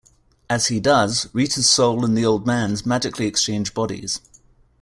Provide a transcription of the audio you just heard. As he does, Rita's soul and the old man's magically exchange bodies.